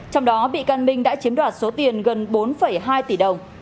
trong đó bị can minh đã chiếm đoạt số tiền gần bốn hai tỷ đồng